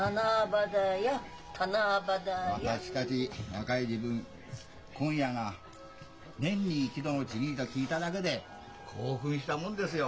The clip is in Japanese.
私たち若い時分今夜が年に一度の契りと聞いただけで興奮したもんですよ。